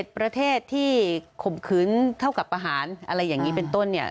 ประเทศที่ข่มขืนเท่ากับประหารอะไรอย่างนี้เป็นต้นเนี่ย